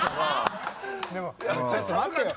ちょっと待ってよ。